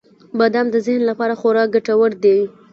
• بادام د ذهن لپاره خورا ګټور دی.